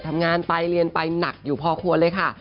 ทำงานไปเรียนไปหนักอยู่พอควรเลยค่ะ